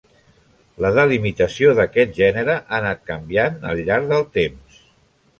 La delimitació d'aquest gènere ha anat canviant al llarg del temps.